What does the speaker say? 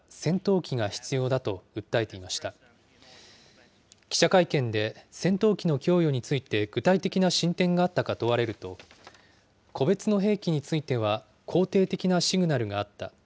記者会見で戦闘機の供与について具体的な進展があったか問われると、個別の兵器については、肯定的なシグナルがあった。